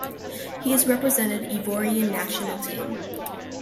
He has represented Ivorian national team.